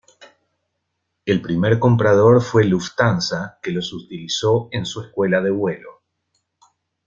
El primer comprador fue Lufthansa, que los utilizó en su escuela de vuelo.